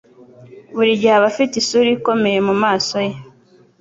Buri gihe aba afite isura ikomeye mumaso ye